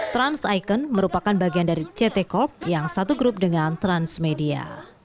trans icon merupakan bagian dari ct corp yang satu grup dengan transmedia